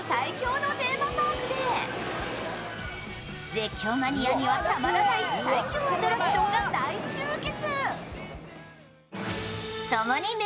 絶叫マニアにはたまらない最恐アトラクションが大集結。